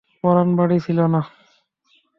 পরান বাড়ি ছিল না।